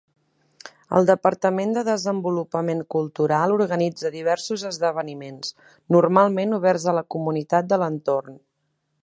El Departament de Desenvolupament Cultural organitza diversos esdeveniments, normalment oberts a la comunitat de l'entorn.